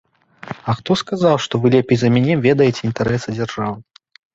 А хто сказаў, што вы лепей за мяне ведаеце інтарэсы дзяржавы?